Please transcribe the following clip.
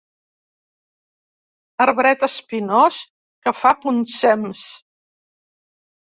Arbret espinós que fa poncems.